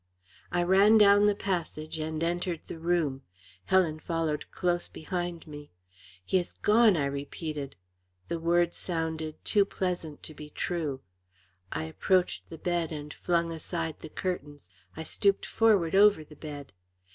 I ran down the passage and entered the room. Helen followed close behind me. "He is gone," I repeated. The words sounded too pleasant to be true. I approached the bed and flung aside the curtains. I stooped forward over the bed.